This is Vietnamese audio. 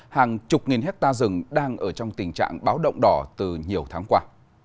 hàng chục nghìn hectare rừng đang ở trong tình trạng báo động đỏ từ nhiều tháng qua